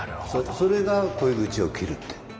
それが鯉口を切るっていう。